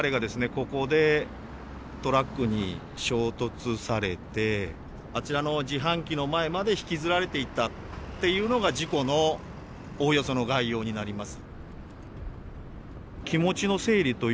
ここでトラックに衝突されてあちらの自販機の前まで引きずられていったっていうのが事故のおおよその概要になります。